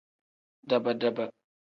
Dab-dab.